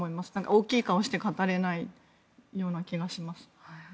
大きい顔して語れないような気がします。